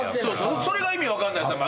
それが意味分かんないっす。